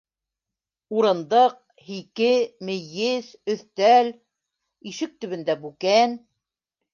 Урындыҡ, һике, мейес, өҫтәл, ишек төбөндә - бүкән.